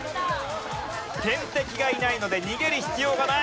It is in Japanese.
天敵がいないので逃げる必要がない！